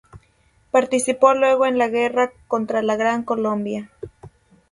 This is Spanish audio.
Participó luego en la guerra contra la Gran Colombia.